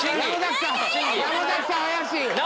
山さん怪しい！